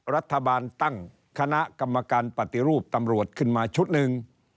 รัฐบาลตั้งคณะกรรมการปฏิรูปตำรวจขึ้นมาชุดหนึ่ง